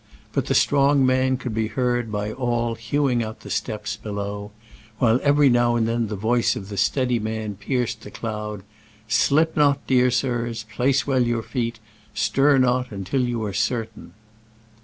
But the strong man could be heard by all hewing out the steps below, while every now and then the voice of the steady man pierced the cloud: Slip not, dear sirs : place well your feet : stir not until you are certain."